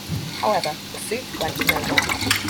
However, the suit went nowhere.